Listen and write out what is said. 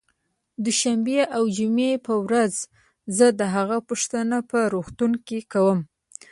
دوشنبې او جمعې په ورځ زه د هغه پوښتنه په روغتون کې کوم